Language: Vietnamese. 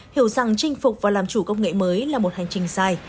hiểu rằng chinh phục và làm chủ công nghệ mới là một hành trình dài